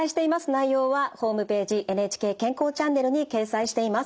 内容はホームページ「ＮＨＫ健康チャンネル」に掲載しています。